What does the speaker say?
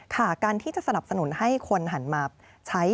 การที่จะสนับสนุนให้คนหันมาใช้